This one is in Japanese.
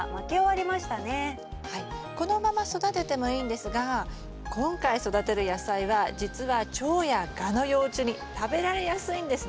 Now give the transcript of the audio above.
このまま育ててもいいんですが今回育てる野菜はじつは蝶やガの幼虫に食べられやすいんですね。